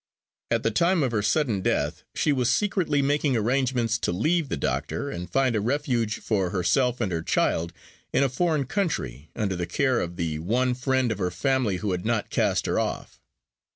At the time of her sudden death, she was secretly making arrangements to leave the doctor, and find a refuge for herself and her child in a foreign country, under the care of the one friend of her family who had not cast her off.